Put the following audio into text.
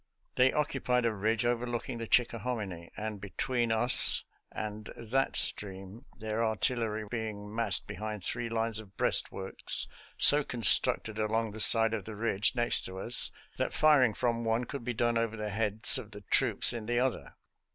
They occupied a ridge overlook ing the Chickahominy and between us and that 54 SOLDIER'S LETTERS TO CHARMING NELLIE stream, their artillery being massed behind three lines of breastworks so constructed along the side of the ridge next to us that firing from one could be done over the heads of the troops in the other.